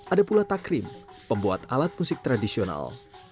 ada pula takrim pembuat alat musik tradisional